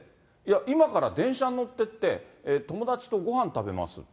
今から電車に乗ってって、友だちとごはん食べます。